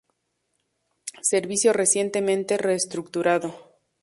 Servicio recientemente reestructurado.